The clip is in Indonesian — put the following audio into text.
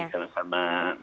ya baik baik saja